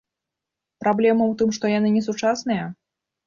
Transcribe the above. Праблема ў тым, што яны несучасныя?